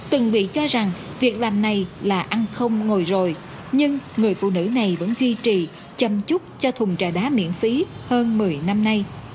từng bị cho rằng việc làm này là ăn không ngồi rồi nhưng người phụ nữ này vẫn duy trì chăm chúc cho thùng trà đá miễn phí hơn một mươi năm nay